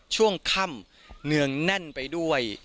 ช่วงค่ำเนืองแน่นไปด้วย